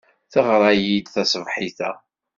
Teɣra-iyi-d taṣebḥit-a.